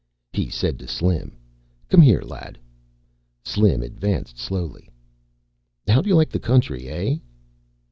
He said to Slim, "Come here, lad." Slim advanced slowly. "How do you like the country, eh?"